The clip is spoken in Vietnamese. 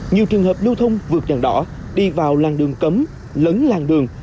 nhiều trường hợp lưu thông vượt đèn đỏ đi vào làng đường cấm lấn làng đường